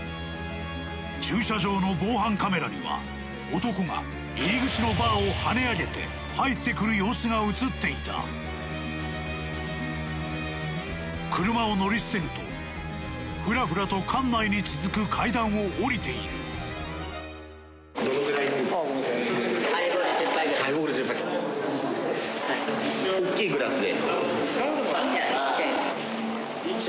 駐車場の防犯カメラには男が入り口のバーをはね上げて入って来る様子が映っていた車を乗り捨てるとふらふらと館内に続く階段を下りている小っちゃいグラスで？